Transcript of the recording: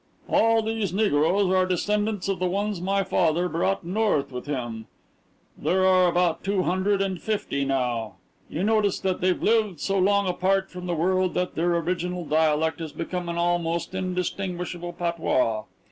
"All these negroes are descendants of the ones my father brought North with him. There are about two hundred and fifty now. You notice that they've lived so long apart from the world that their original dialect has become an almost indistinguishable patois.